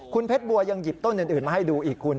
คุณเพชรบัวยังหยิบต้นอื่นมาให้ดูอีกคุณ